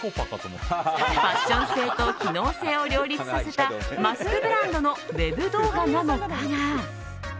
ファッション性と機能性を両立させたマスクブランドのウェブ動画なのだが。